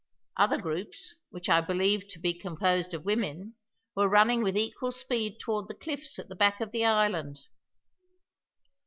Other groups, which I believed to be composed of women, were running with equal speed toward the cliffs at the back of the island.